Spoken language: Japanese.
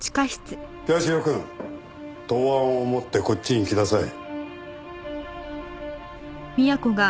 社くん答案を持ってこっちに来なさい。